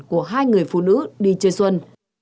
của hai người phụ nữ đi chơi xuân